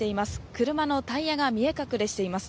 車のタイヤが見え隠れしています。